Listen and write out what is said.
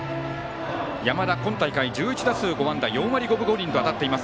山田、今大会１１打数４安打４割５分５厘とあたっています。